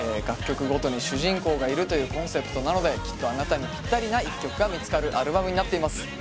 楽曲ごとに主人公がいるというコンセプトなのできっとあなたにピッタリな１曲が見つかるアルバムになっています